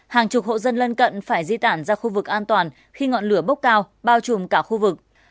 hàng chục hộ dân lân cận phải di tản ra khu vực an toàn khi ngọn lửa bốc cao bao trùm cả khu vực